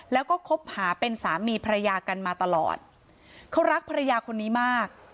แล้วก็คบหาเป็นสามีภรรยากันมาตลอดเขารักภรรยาคนนี้มาก